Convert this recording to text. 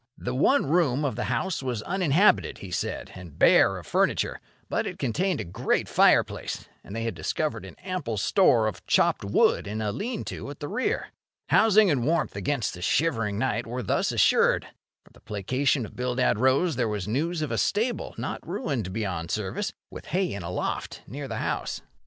The one room of the house was uninhabited, he said, and bare of furniture; but it contained a great fireplace, and they had discovered an ample store of chopped wood in a lean to at the rear. Housing and warmth against the shivering night were thus assured. For the placation of Bildad Rose there was news of a stable, not ruined beyond service, with hay in a loft, near the house.